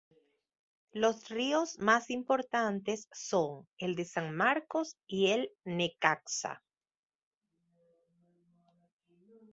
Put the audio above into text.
Los ríos más importantes son: El de San Marcos y El Necaxa.